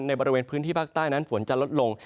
บริเวณพื้นที่ภาคใต้นั้นฝนจะลดลง